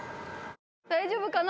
大丈夫かな？